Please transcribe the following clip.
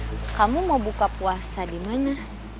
eh boy kamu mau buka puasa dimana